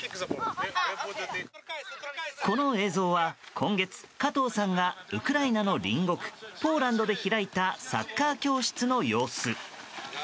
この映像は今月、加藤さんがウクライナの隣国ポーランドで開いたサッカー教室の様子。